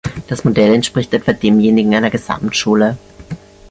Das Modell entspricht etwa demjenigen einer Gesamtschule.